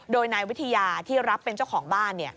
โดยนายวิทยาที่รับเป็นเจ้าของบ้าน